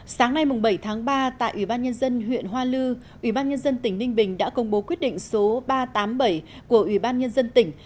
sáng nay bảy tháng ba tại ủy ban nhân dân huyện hoa lư ủy ban nhân dân tỉnh ninh bình đã công bố quyết định số ba trăm tám mươi bảy của ủy ban nhân dân tỉnh